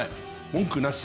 文句なし。